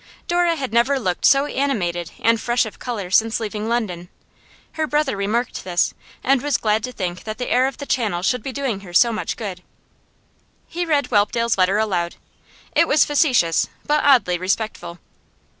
Dora had never looked so animated and fresh of colour since leaving London; her brother remarked this, and was glad to think that the air of the Channel should be doing her so much good. He read Whelpdale's letter aloud; it was facetious, but oddly respectful.